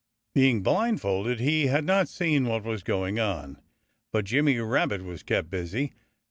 Being blindfolded, he had not seen what was going on. But Jimmy Rabbit was very busy.